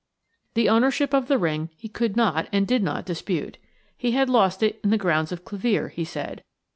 The ownership of the ring he could not and did not dispute. He had lost it in the grounds of Clevere, he said.